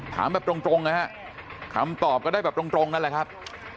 ถามแบบตรงนะฮะคำตอบก็ได้แบบตรงนั่นแหละครับ